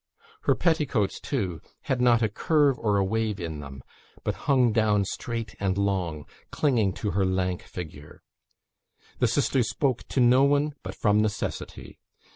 Her petticoats, too, had not a curve or a wave in them, but hung down straight and long, clinging to her lank figure. The sisters spoke to no one but from necessity.